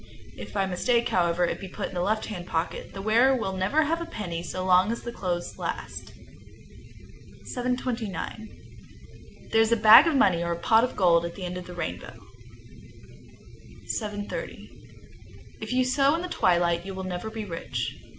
If by mistake, however, it be put in the left hand pocket, the wearer will never have a penny so long as the clothes last. 729. There's a "bag of money," or a "pot of gold," at the end of the rainbow. General among children. 730. If you sew in the twilight, you will never be rich.